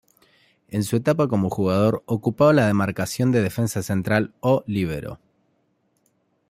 En su etapa como jugador, ocupaba la demarcación de defensa central o líbero.